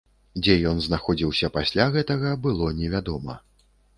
Дзе ён знаходзіўся пасля гэтага, было невядома.